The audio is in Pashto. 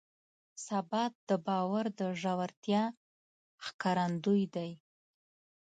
ثبات د باور د ژورتیا ښکارندوی دی.